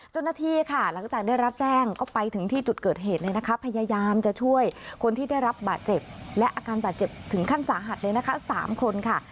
เจ้าหน้าที่ค่ะหลังจากได้รับแจ้งก็ไปถึงที่จุดเกิดเหตุเลยนะคะพยายามจะช่วยคนที่ได้รับบาดเจ็บและอาการบาดเจ็บถึงขั้นสาหัสเลยนะคะ๓คนค่ะ